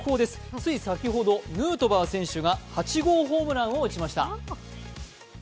つい先ほど、ヌートバー選手が８号ホームランを打ちました。